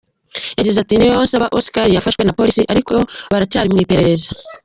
Yagize ati “Niyonsaba Oscar yafashwe na polisi, ariko baracyari mu iperereza.